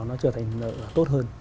nó trở thành nợ tốt hơn